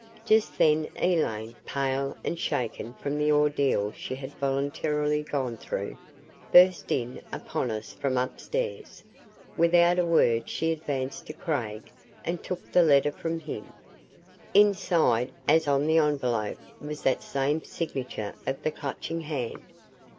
Just then Elaine, pale and shaken from the ordeal she had voluntarily gone through, burst in upon us from upstairs. Without a word she advanced to Craig and took the letter from him. Inside, as on the envelope, was that same signature of the Clutching Hand.